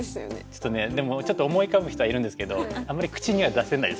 ちょっとねでもちょっと思い浮かぶ人はいるんですけどあんまり口には出せないですね。